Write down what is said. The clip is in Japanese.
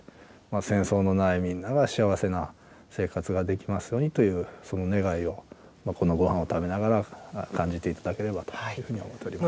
戦争のない、みんなが幸せな生活ができますようにという、その願いをこのごはんを食べながら感じていただければというふうに思っております。